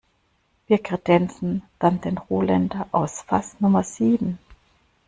Wir kredenzen dann den Ruländer aus Fass Nummer sieben.